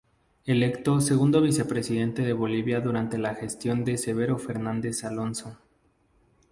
Electo Segundo Vicepresidente de Bolivia durante la gestión de Severo Fernández Alonso.